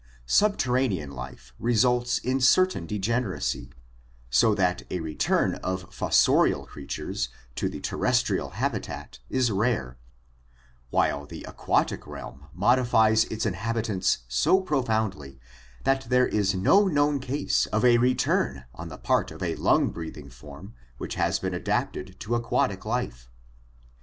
Subterranean life results in certain degeneracy, so that a return of fossorial creatures to the terrestrial habitat is rare, while the aquatic realm modifies its inhabitants so profoundly that there is no known case of a return on the part of a lung breathing form which has been adapted to aquatic life.